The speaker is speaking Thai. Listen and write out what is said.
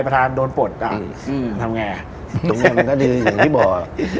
ประธานโดนปฏต์อ่ะอืมทำไงอ่ะมันก็คืออย่างที่บอก